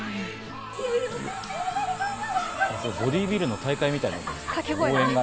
ボディービルの大会みたい。